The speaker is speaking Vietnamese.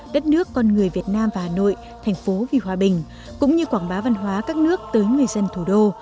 đất nước con người việt nam và hà nội thành phố vì hòa bình cũng như quảng bá văn hóa các nước tới người dân thủ đô